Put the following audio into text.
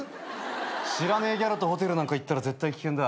知らねえギャルとホテルなんか行ったら絶対危険だ。